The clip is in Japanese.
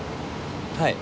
はい。